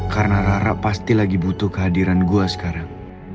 karena rara pasti lagi butuh kehadiran gue sekarang